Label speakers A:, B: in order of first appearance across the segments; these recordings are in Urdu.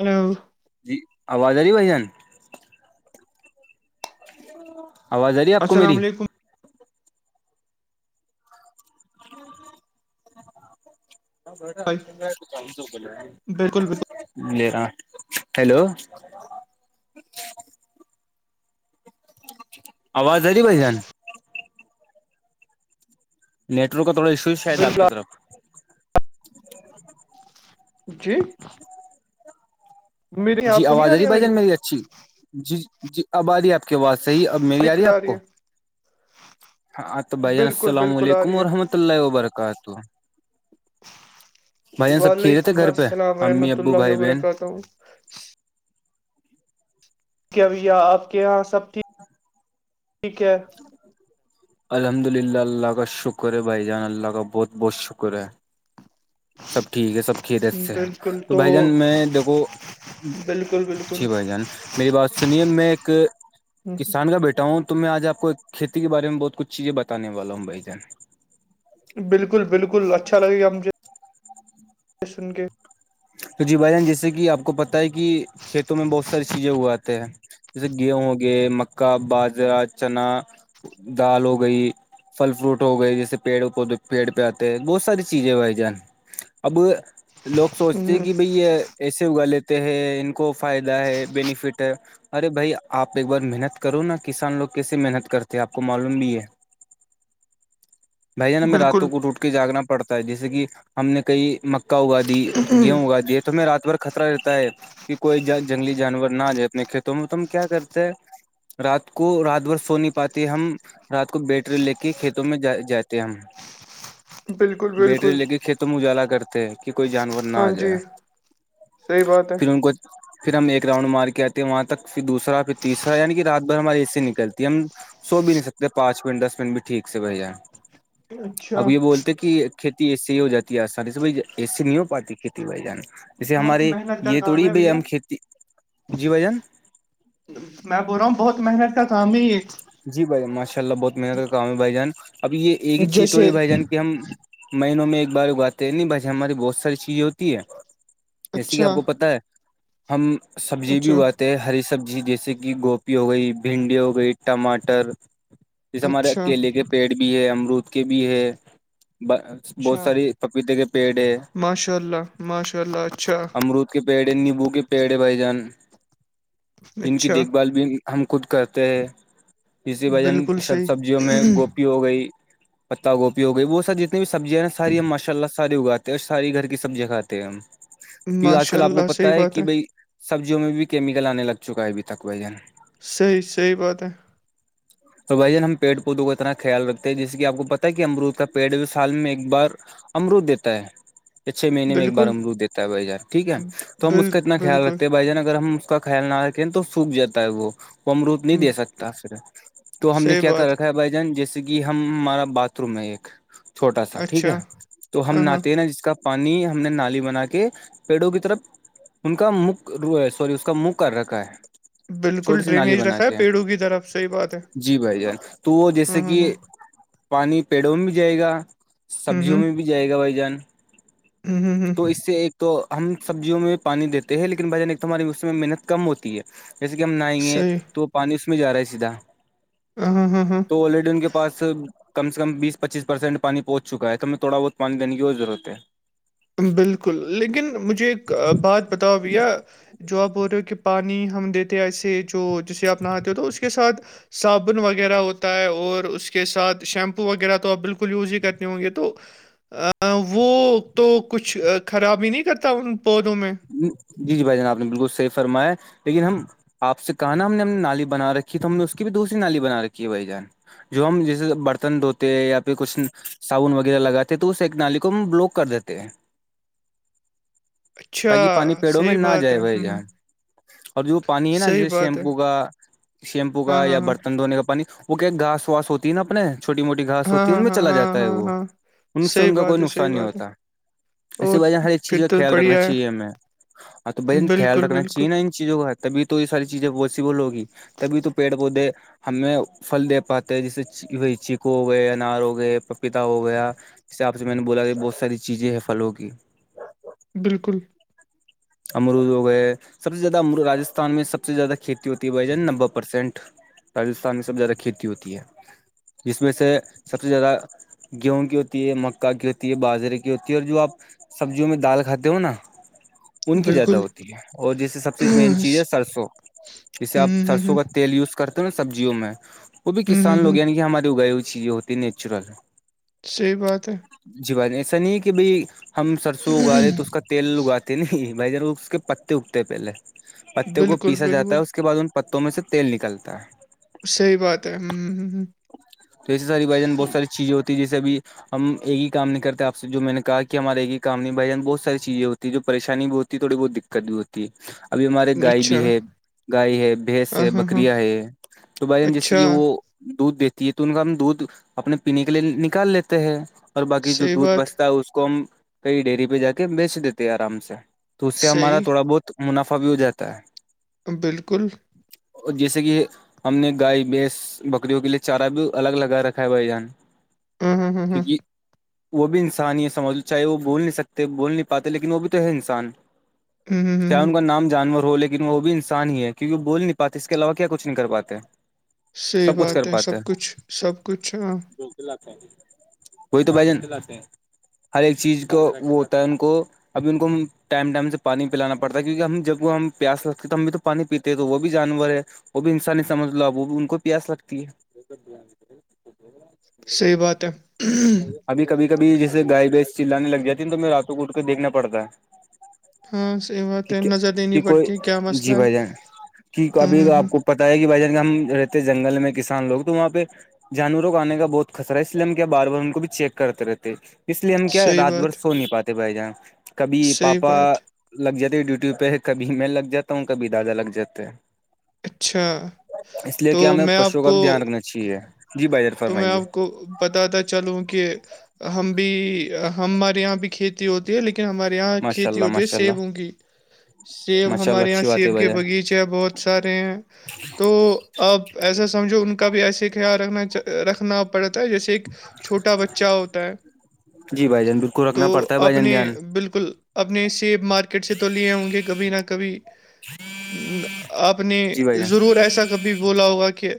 A: ہو [inaudible]
B: جی آواز آ رہی ہے بھائی جان آواز آ رہی آپ کو
A: السلام
B: میری
A: علیکم
B: ہاں با
A: بھائی
B: انگل تو بول
A: بالکل بالکل
B: [inaudible] ل رہا ہیلو [inaudible] آواز اری بائی ج نے نی ورک کا تھوڑا ایشو ہے شاید آپ
A: بالکل
B: کی طرف
A: جی میری
B: جی
A: آپ کو نہیں
B: آواز آ رہی
A: ہے
B: بھائی جان میری اچھی جی ج جی اب آ رہی ہے آپ کی آواز صحیح اب میری آ رہی ہے آپ کو ہاں تو بھائیان
A: بالکل
B: السلام
A: بالکل آ
B: علیکم
A: رہی
B: وورحمۃ
A: ہے
B: اللہ وبرکاتہ بھائی جان سب کھے رہے تھے گھر پہ امی ابو بھائی بہن
A: تو [inaudible] کیا بھیا آپ کے یہاں سب ٹھیک ٹھیک ہے
B: ہ [inaudible] الحمد للہ اللہ کا شکر ہے بھائی جان اللہ کا بہت بہت شکر ہے سب ٹھیک ہے سب کھیےتے اچھے ہیں تو بھائی جان میں دیکھو
A: بالکل
B: جی
A: بالکل
B: بھائی جان میری بات سنیے میں ایک کسان کا بیٹا ہوں تو میں آج آپ کو ایک کھیتی کے بار میں بہت کچھ چیزیں بانے والا ہوں بھائی جان
A: بالکل بالکل اچھا لگے گا مجھے سن کے
B: تو جی بائی جان جیسے کہ آپ کو پت ہے کہ کھیتوں میں بہت ساری چیزیں ہو آتے ہیں جیسے گیہوں ہو گئے مکہ باجرا چنا دال ہو گئی پھل فروٹ ہو گئے جیسے پیڑ پیڑ پہ آتے ہیں بہت ساری چیزیں بھائی جان اب لوگ سوچتے کہ بھائی یہ ایسے اگا لیتے ہیں ان کو فائدہ ہے بینیفٹ ہے ارے بھائی آپ ایک بار محنت کرو نا کسان لوگ کیسے محنت کرتے ہیں آپ کو معلوم بھی ہے [inaudible] بھائی جان ہمیں
A: بالکل
B: راتوں کو ٹوٹ کے جاگنا پڑتا ہے جیسے کہ ہم نے کئی مکا اگا دی گیہوں گا د تو میں رات بھر خطرہ رہتا ہے کہ کوئی جنگلی جانور نہ آ جائے اپنے کھیتوں میں تو ہم کیا کرتے ہیں رات کو رات بھر سو نہیں پاتی ہے ہم رات کو بیٹری لے کے کھیتوں میں ج جاتے ہم
A: بالکل
B: بیٹری
A: بالکل
B: لے کے کھیتوں میں اجالا کرتے ہیں کہ کوئی جان نہ
A: ہاں
B: آ
A: جی
B: جائے
A: صحیح بات ہے
B: پھر ان کو پھر ہم ایک راؤنڈ مار کے آتے ہیں وہاں تک پھر دوسرا پھر تیسرا یعنی کہ رات بھر ہماریے سے نکلتی ہے ہم سو بھی نہیں سکتے پانچ منٹ دس منٹ بھی ٹھیک سے بہ جائیں
A: اچھا
B: اب یہ بولتے کہ کھیتی ایسے ہی ہو جاتی ہے آسانی سے بھائی ایسے نہیں ہو پاتی کھیتی بھائی جان جے
A: بہت
B: ہمارے
A: محنت کا
B: یہ
A: کام
B: توڑی
A: ہے
B: بھائی
A: بھیا
B: ہم کھیتی جی ب جان
A: میں بول رہا ہوں بہت محنت کا تھا ہی
B: جی بھائیان ماشاء اللہ بہت محنت کام ہے بھائی جان اب یہ ایک ہی چیز
A: جیسے
B: توڑی بھائی جان کہ ہم مہینوں میں ایک بار اگاتے ہیں نہیں بھائی ہماری بہت ساری چیزیں ہوتی ہے ایسے کہ
A: اچھا
B: آپ کو پتا ہے ہم سبزی بھی
A: اچھا
B: اگاتے ہری سبزی جیسے کہ گوبھی ہو گئی بھنڈی ہو گئی ٹماٹر جیسے ہمارے
A: اچھا
B: کیلے کے پیڑ بھی ہے امرود کے بھی ہے بہت
A: اچھا
B: ساری پپیتے کے پیڑ ہے
A: ماشاء اللہ ماشاء اللہچھا
B: امرود کے پیڑے نیبو کے پیڑے بھائی جان جن کی
A: اچھا
B: دیکھ بھال بھی ہم خود کرتے ہیں اسی وجن
A: بالکل
B: سب
A: صحیح
B: سبزیوں میں گوپ ہو گئی پتتا گوبی ہو گئی وہہ ساری جتنی بھی سبزیاں ن ساری ماشاء اللہ سے سارے اگاتے ہیں اور ساری گھر کی سبزیاں کھاتے ہیں کیکہ آج
A: ماشاء
B: کل آپ کو
A: اللہ
B: پت
A: صحیح
B: ہے
A: بات
B: کہ بھائی سبزیوں میں بھی کیمیکل آنے لگ چکا ہے ابھی تک ون
A: صحیح صحیح بات ہے
B: تو بھائی جان ہم پڑ پودوں کا ارنا خیال رکھتے ہیں جیسے کہ آپ کو پتا ہے کہ امرود کا پیڑ سال میں ایک بار امرود دیتا ہے کہ چھ مہینے میں ایک بار
A: بالکل
B: ہم روح دیتا ہے بھائی جان ٹھیک ہے تو ہم اس
A: بال
B: کا اتنا خیال
A: بالکل
B: رکھتے ہیں بھائی جان اگر ہم کا خیال نہ رکھے تو سوکھ جاتا ہے وہ وہ اروود نہیں
A: ام،
B: دے سکتا پ تو ہم نے
A: صحیح
B: کیا کر
A: بات
B: رکھا بھ جان جیسے کہ ہم ہمارا باتھ روم ہے ایک چھوٹا سا ٹھیک ہے
A: اچھا
B: تو ہم
A: ہاں ہاں
B: نے نا جس کا پانی ہم نے نالی بنا کے پیڑوں کی طرف ان کا مک رو سوری اس کا منہ کر رکھا ہے
A: بالکل
B: چھوٹی سی نالی
A: ڈرینیج
B: بنا
A: رکھا ہے
B: کے
A: پیڑوں کی طرف صحیح بات ہے
B: جی بھائی جان تو وہ جیسے
A: ہاں
B: کہ
A: ہاں ہاں
B: پانی پیڑوں میں بھی جائے گا
A: ہوں
B: سبزیوں
A: ہوں
B: میں بھی جائے گا بھائی جان
A: ہوں ہوں ہوں
B: تو اس سے ایک تو ہم سبزیوں میں بھی پانی دیتے ہیں لیکن بھجانک ہماراری موم میں محنت کم ہوتی ہے جیسے کہ ہم نہائیں گے
A: صحیح
B: تو پانی اس میں جا رہا ہے سیدھا
A: ہ ہ ہاں ہاں
B: تو الیڈ ان کے پاس کم سے کم بیس پچیس پرسینٹ پانی پہنچ چکا ہے تو ہمیں تھوڑا بہت پانی دینے کی اور ضورت ہے
A: بالکل لیکن مجھے ایک بات پت تا بھیا جو آپ بول رہے ہو کہ پانی ہم دیتے ایسے جو جے آپ نااتے ہو تو اس کے ساتھ صابن وغیرہ ہوتا ہے اور اس کے ساتھ شیمپو وغیرہ تو آپ بالکل یوز ہی کرنے ہوں گے تو وہ تو کچھ خراب ہی نہیں کرتا ان پودوں میں
B: جی جی بھائی جنابپ نے بالکل صحیح فرمایا لیکن ہم آپ سے کہا نا ہم نے ہم نے نالی بنا رکھی تو ہم نے اس کی بھی دوسری نالی بنا رکھی ہے بھائی جان جو ہم جیسے برتن دھوتے یا پھر کچھ صابن وغیرہ لگاتے تو اس ایک نالی کو ہم بوک کر دیتے ہیں
A: اچھا
B: تاکہ پانی پیڑوں میں
A: صحیح
B: نہ
A: بات
B: جائے
A: ہے،
B: ب ج
A: ہوں،
B: اور جو پانی ہے نا
A: صحیح
B: جیسے
A: بات ہے،
B: شیمپو کا شیمپو
A: ہاں،
B: کا یا
A: ہاں، ہاں،
B: برتن دھونے کا پانی وہ کیا گاس واس ہوتی ہے نا اپنے چھوٹی موٹی گھاس
A: ہاں،
B: ہوتی ہے ان
A: ہاں،
B: میں
A: ہاں،
B: چلا
A: ہاں،
B: جاتا ہے
A: ہاں،
B: وہ
A: ہاں،
B: ان سے
A: صحیح
B: ان کا کوئی
A: بات ہے،
B: نقصان
A: صحیح
B: نہیں
A: بات ہے،
B: ہوتا اس
A: اوہ
B: وجہ سے ہر ایک چیز
A: پھر
B: کا
A: تو
B: خیال رکھنا
A: بڑھیا
B: چاہیے ہمیں ہ تو بھ
A: ہے،
B: خیال
A: بالکل،
B: رکھنا
A: بالکل،
B: چاہے نا ان چیزوں کا تبھی تو یہ ساری چیزیں پاسبل ہوگی تبھی تو پیڑ پودے ہمیں پھل دے پاتے جیسے بھائی چیکو ہو گئے انار ہو گئے پپیتا ہو گیا اس حساب سے میں نے بولا کہ بہت ساری چیزیں ہیں پھلوں کی
A: بالکل
B: امرود ہو گئے سب سے زیادہ ار رجستھان میں سب سے زیادہ کھیتی ہوتی ہے بھائی جان نبے پرسینٹ راجستھان میں سب سے زیادہ کھیتی ہوتی ہے جس میں سے سب سے زیادہ گیہوں کی ہوتی ہے مکا کی ہوتی ہے باجرے کی ہوتی ہے اور جو آپ سبزیوں میں دال کھاتے ہو نا ان کی زیادہ
A: بالکل
B: ہوتی ہے اور جیسے سب سے مین چیز ہے سرسوں جے
A: ہوں،
B: آپ سرسوں
A: ہوں،
B: کا تیل یوز کرتے ہو نا سبزیوں میں وہ بھی
A: ہوں،
B: کسان
A: ہوں،
B: لو
A: ہوں
B: یعنی کہ ہماری اگائی ہوئی چیز ہوتی ہے نیچرل
A: صحیح بات ہے
B: جی بات ایسا نہیں ہے کہ بھائی ہم سرسوں اگا رہے تو اس کا تیل اگاتے نا بھائی ج اس کے پتے اگتے ہیں پہلے پتے کو
A: بالکل
B: پیسا جاتا
A: بالکل
B: ہے اس کے بعد ان پتوں میں سے تیل نکلتا ہے
A: صحی بات ہے ہ ہ ہ ہ
B: تو ایسے ساری بائی جان بہت ساری چیزیں ہوتی ہے جیسے بھیھی ہم ایک ہی کام نہیں کرتے آ سے جو میں نے کہا کہ ہمارا ایک ہی کام نہیں بھ جان بہت ساری چیزیں ہوتی ہیں جو پریشانی بھی ہوتی ہے تھوڑی بہت دقت بھی ہوتی ہے ابھی ہمارے گائے
A: اچھا
B: بھی ہے
A: ہاں،
B: گائے ہے بھینس ہے
A: ہاں، ہاں،
B: بکریا ہے تو بھائی جان جیسے
A: اچھا
B: کہ وہ دودھ دیتی ہے تو ان کا ہم دودھ اپنے پینے کے لیے نکال لیتے ہیں اور باقی جو
A: صحیح
B: دودھ
A: بات
B: بچتا ہے اس کو ہم کئی ڈیری پہ جا کے بیچ دیتے ہیں آرام سے تو اس سے ہمارا
A: صحیح
B: تھوڑا بہت منافع بھی ہو جاتا ہے
A: بالکل
B: اور جیسے کہ ہم نے گائے بھیس بکریوں کے لیے چارہ بھی الگ لگا رکھا ہے بھائی جان
A: ہاں، ہاں، ہاں، ہاں،
B: کیونکہ وہ بھی انسان ہی سمجھ چاہے وہ بول نہیں سکتے بول نہیں پاتے لیکن وہ بھی تو انسان
A: ہوں ہ [unintelligible]
B: چاہے ان کا نام جانور ہو لیکن وہ بھی انسان ہی ہے کیکہ وہ بول نہیں پاتے اس کے علاوہ کیا کچھ نہیں کر پاتے
A: صحیح
B: سب کچھ کر
A: بات ہے
B: پاتے ہیں
A: سب کچھ سب کچھ ہاں
B: وہی تو بھ ج ہر ایک چیز کو وہ ہوتا ہے ان کو ابھی ان کو ٹائم ٹائم سے پانی پلانا پڑتا ہے کیونک ہم جب وہ ہم پیاس لگتے ہے تو ہم بھی تو پانی پیتے تو وہ بھی جانور ہے وہ بھی انسانی نہیں سمجھ لو وہ بھی ان کو پیاس لگتی ہے
A: صحیح بات ہے
B: ابھی کب کھی جیسے گائے بیس چلانے لگ جاتی ہےا تو م راتوں کو اٹھ کےیکھنا پڑتا ہے
A: ہاں صحیح بات ہے نظر دینی
B: کہ
A: پڑتی ہے کیا
B: کوئی
A: مسئلہ
B: جی
A: ہے
B: بھائی جان کی
A: ہوں،
B: ابھی
A: ہوں،
B: آپ
A: ہوں،
B: کو پت ہے کہ بھائی جان ہم رہتے ہیں جنگل میں کسان لوگ تو وہاں پہ جانور کو آنے کا بہت خطر ہے اس لیے کیا بار بار ان کو بھی چیک کرتے رہتے اس لیے ہم کیا
A: صحیح
B: رات بھر
A: بات
B: سو نہیں پاتے بھائی جان کبھی
A: صحیح
B: پاپا
A: بات
B: لگ جاتے ہیں ڈیوٹی پہ کبھی میں لگ جاتا ہوں کبھی دادا لگ جاتے ہیں
A: اچھا
B: اس لیے
A: تو
B: کیا ہمیں
A: میں آپ
B: پشو کا
A: کو
B: بھی دھیان رکھنا چاہیے جی بھائی جان
A: تو میں
B: فرمائیے
A: آپ کو بتاتا چلوں کہ ہم بھی ہمارے یہاں بھی کھیتی ہوتی ہے لیکن ہمارے یہاں
B: ماشاء
A: کھیتی
B: اللہ
A: ہوتی ہے
B: ماشاء اللہ
A: سیبوں کی سیب
B: ماشاء اللہ
A: ہمارے یہاں
B: اچھی بات ہے
A: سیب کے
B: بھائی جان
A: بغیچے ہیں بہت سارے ہیں تو اپ ایسا سمجھو ان کا بھی ایسے خیال رکھنا چاہ رکھنا پڑتا ہے جیسے ایک چھوٹا بچہ ہوتا ہے
B: جی بھائی جان بالکل
A: تو
B: رکھنا پڑتا ہے بھائی جان
A: اپنے
B: دھیان
A: بالکل اپنے سیب مارک ٹ سے تو لیے ہوں گے کبھی نہ کبھی آپ نے
B: جی بھائی جان
A: ضرور ایسا کبھی بولا ہوگا کہ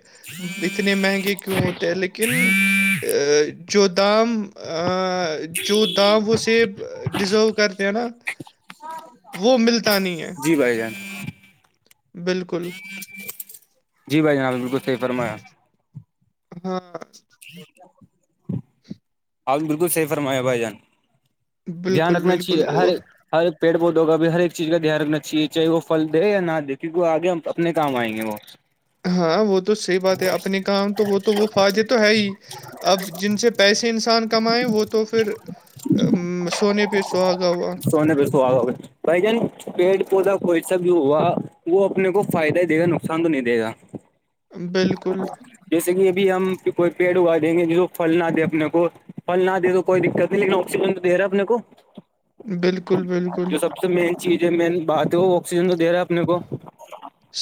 A: اتنے مہنگے کیوں ہوتے لیکن جو دام جو دام وہ سیب ڈیزرو کرتے ہیں نا وہ ملتا نہیں ہے
B: جی بھائی جان
A: بالکل
B: جی بھائی جناب بالکل صحیح فرمایا
A: ہاں
B: آ بالکل صحی فرمایا بھائی جان دھیان
A: بالکل
B: رکھنا چاہیے
A: بالکل
B: ہر
A: اور
B: ہر پیڑ پودوں کا بھی ہر ایک چیز کا دھیان رنا چاہیے چاہے وہ پل دے یا نہ دے کیونک وہ آگے ہم کتنے کام آئیں گے وہ
A: ہاں وہ تو صحیح بات ہے اپنے کام تو وہ تو وہ فائدے تو ہے ہی اب جن سے پیسے انسان کمائیں وہ تو پھر سونے پہ سواگا ہوا
B: تونے بیسو آ ہے بھائی جان پیڑ پودا کوئی سا بھی ہوگا وہ اپنے کو فائدہ ہی دے گا نقصان تو نہیں دے گا [inaudible]
A: بالکل
B: جیسے کہ ابھی ہم کوئی پیڑ اگا دیں گے جس کو پھل نہ دیں اپنے کو پل نہ دے تو کوئی دقت نہیں لیکن آکسیجن تو دے رہا ہے اپنے کو
A: بالکل بالکل
B: جو سب سے مین چیز ہے مین بات ہے وہ آکسیجن تو دے رہا ہے اپنے کو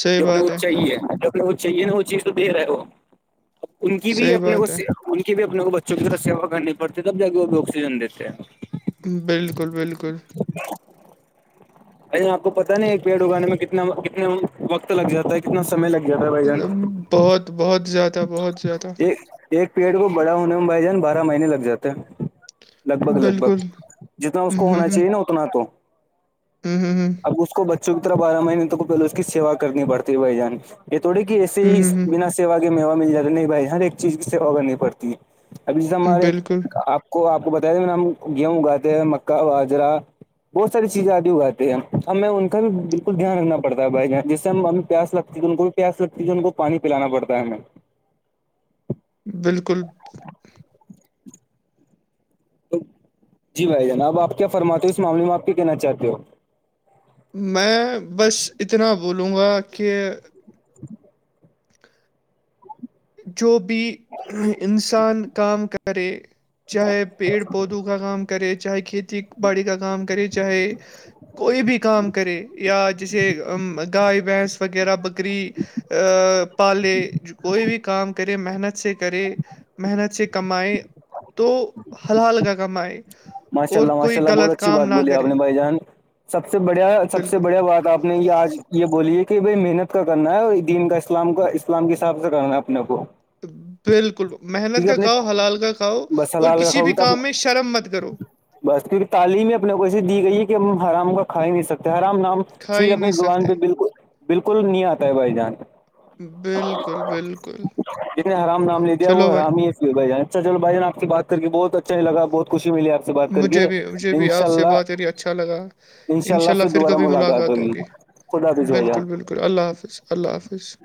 A: صحیح
B: جو اپنے
A: بات
B: خ
A: ہے
B: چاہیے جو اپنے خ چاہیے نا وہ چیز تو دے رہے ہو کی بھی
A: صحیح
B: اپنے کو
A: بات ہے
B: ان کی بھی اپنے کو بچوں کی طرح سیوا کرنی پڑتی تب جا کے وہ بھی آکسیجن دیتے ہیں
A: بالکل بالکل
B: ا آپ کو پتا نہیں ایک پیڑ اگانے میں کتنے تنا اتنا وقت لگ جاتا ہے کتنا سمے لگ جاتا ہے بھائی جان
A: بہت بہت زیادہ بہت زیادہ
B: ایک ایک پیریڈ کو بڑا ہونے میں بھائی جان بارہ مہینے لگ جاتے ہے لگ بھگ لگ بھگ
A: بالکل،
B: جتنا اس
A: اُوں
B: کو
A: ہوں،
B: ہونا چاہیے نا اتنا تو
A: ہوں ہوں ہوں
B: اب اس کو بچوں کی طرف بارہ مہینے تک پہلے اس کی سیا کرنی پڑتی بھائی جان یہ تھوڑے کہ ایسے
A: اُوں
B: ہی
A: ہوں،
B: بنا سیا کے م ہووا مل جاتا نہیں بھائی ہر ایک چیز کی سیوا کرنی پڑتی ہے اب جیسے
A: ہوں،
B: ہمارے
A: بالکل،
B: آپ کو آپ کو بتایا دے میںا ہم گیہوں اگاتے ہیں مکا واجرا بہت ساری چیزیں آد اگات ہیں ہمیں ان کا بھی بالکل دھیان رکھنا پڑتا ہے بھائی ج جسے ہمیں پیاس لگتی ہے تو ان کو پس لگتی ان کو پانی پلا پڑتا ہے ہمیں
A: بالکل
B: تو جی بھائی جانب آپ کیا فرماتے ہو اس معاملے میں آپ کے کہنا چاہتے ہو
A: میں بس اتنا بولوں گا کہ
B: [inaudible]
A: جو بھی انسان کام کرے چاہے پیڑ پودوں کا کام کرے چاہے کھیتی باڑی کا کام کرے چاہے کوئی بھی کام کرے یا جیسے گائے بھینس وغیرہ بکری پالے کوئی بھی کام کرے محنت سے کرے محنت سے کمائے تو حل حال کا کم ہے
B: ماشاء اللہ ماشاء اللہ بہت اچھی بات بولی آپ نے بھائی جان سب سے بڑیا سب سے
A: بالکل
B: بڑیا بات آپ نے یہ آج یہ بولیے کہ بھائی محنت کا کرنا ہے اور دین کا اسلام کا اسلام کے حساب سے کرنا ہے اپنے کو
A: بالکل محنت
B: کیونکہ
A: کا
B: اپنے
A: کھاؤ حلال کا کھاؤ
B: بس
A: اور
B: حلال کا
A: کسی
B: کھاؤ
A: بھی
B: تب
A: کام میں شرم مت کرو
B: بس کیونکہ تعلیم ہی اپنے کو ایے دی گئی ہے کہ ہم آرام کا کھا ہی نہیں سکتے آرام نام
A: کھا
B: چیز
A: ہی
B: اپنی
A: نہیں
B: زبان
A: سکتے
B: پہ بالکل بالکل نہیں آتا ہے بھائی جان
A: بالکل بالکل چلو ب
B: بھ جان اچھا چو بائی جان آ کی بات کر بہت اچھا ہی لگ بہت خشی ملی آ کی
A: مجھے بھی مجھے بھی آپ سے بات اری اچھا لگا ان شاء اللہ پھر کبھی ملاقات ہوگی
B: خدا حافظ بھائی
A: بالکل
B: جان
A: بالکل اللہ حافظ اللہ حافظ